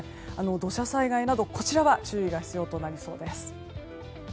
土砂災害など注意が必要になりそうです。